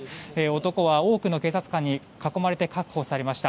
男は多くの警察官に囲まれて確保されました。